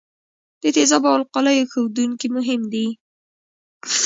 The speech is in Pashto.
د تیزابو او القلیو ښودونکي مهم دي.